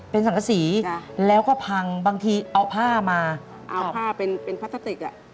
เป็นสังฆษีแล้วก็พังบางทีเอาผ้ามาครับเอาผ้าเป็นพลาสติก